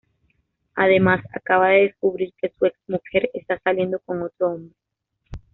Además, acaba de descubrir que su exmujer está saliendo con otro hombre.